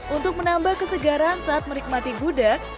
untuk menambah kesegaran saat menikmati gudeg